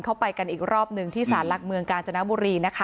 ไปกันอีกรอบหนึ่งที่สารหลักเมืองกาญจนบุรีนะคะ